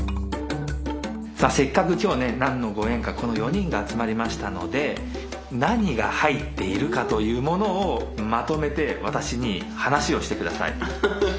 せっかく今日ね何のご縁かこの４人が集まりましたので何が入っているかというものをまとめて私に話をして下さい。